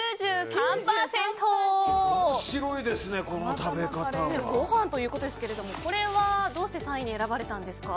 面白いですね、この食べ方。ご飯ということですがこれはどうして３位に選ばれたんですか？